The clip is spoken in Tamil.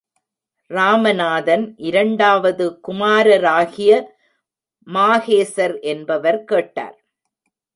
ராமநாதன் இரண்டாவது குமாரராகிய மாஹேசர் என்பவர் கேட்டார்.